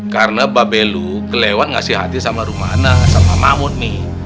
karena babel lo kelewat ngasih hati sama romani sama mahmud mi